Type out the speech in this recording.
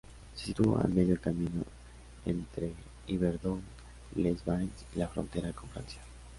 Se sitúa a medio camino entre Yverdon-les-Bains y la frontera con Francia.